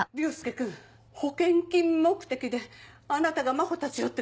君保険金目的であなたが真帆たちをって